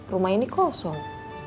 rumah ini kosong